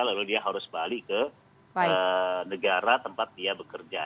lalu dia harus balik ke negara tempat dia bekerja